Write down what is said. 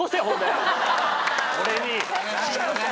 俺に。